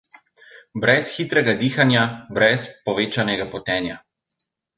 Brez hitrega dihanja, brez povečanega potenja.